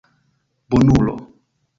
bonulo